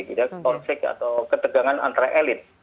tidak konflik atau ketegangan antara elit